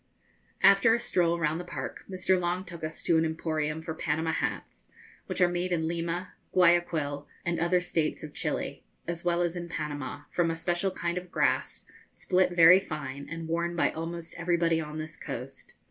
After a stroll round the park, Mr. Long took us to an emporium for Panama hats, which are made in Lima, Guayaquil, and other states of Chili, as well as in Panama, from a special kind of grass, split very fine, and worn by almost everybody on this coast.